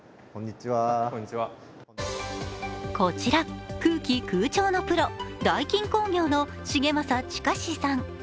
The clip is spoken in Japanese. こちら空気・空調のプロダイキン工業の重政周之さん。